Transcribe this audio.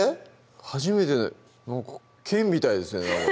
初めてなんか剣みたいですね